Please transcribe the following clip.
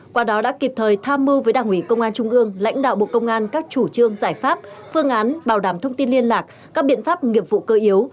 qua đó đã kịp thời tham mưu với đảng ủy công an trung ương lãnh đạo bộ công an các chủ trương giải pháp phương án bảo đảm thông tin liên lạc các biện pháp nghiệp vụ cơ yếu